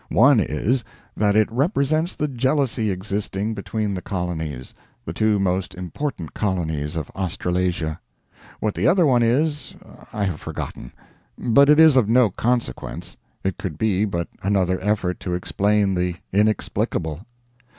One is, that it represents the jealousy existing between the colonies the two most important colonies of Australasia. What the other one is, I have forgotten. But it is of no consequence. It could be but another effort to explain the inexplicable.